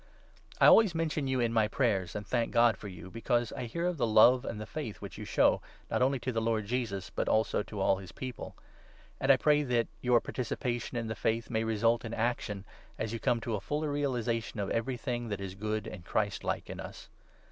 I always mention you in my prayers and thank God 4 for you, because I hear of the love and the faith which 5 you show, not only to the Lord Jesus, but also to all his People ; and I pray that your participation in the Faith 6 may result in action, as you come to a fuller realization of everything that is good and Christlike in us.